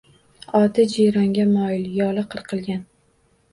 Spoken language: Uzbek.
Oti jiyronga moyil, yoli qirqilgan.